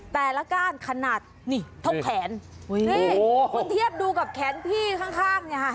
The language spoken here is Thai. แต่ละก้านขนาดนี่เท่าแขนอุ้ยนี่คุณเทียบดูกับแขนพี่ข้างข้างเนี่ยค่ะ